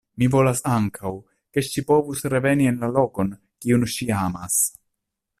Mi volas ankaŭ, ke ŝi povu reveni en la lokon, kiun ŝi amas.